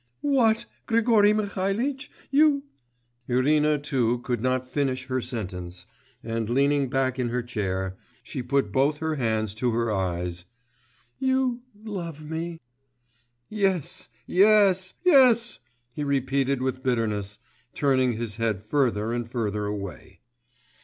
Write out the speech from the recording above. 'What, Grigory Mihalitch, you' ... Irina too could not finish her sentence, and leaning back in her chair, she put both her hands to her eyes. 'You ... love me.' 'Yes ... yes ... yes,' he repeated with bitterness, turning his head further and further away.